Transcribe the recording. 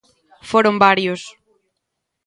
Foron varios.